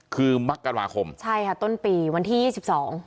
คือมักกราคมใช่ค่ะต้นปีวันที่ยี่สิบสอง